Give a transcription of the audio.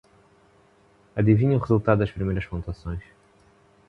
Adivinha o resultado das primeiras pontuações.